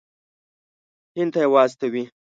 هند ته یې واستوي.